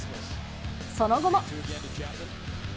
その後も。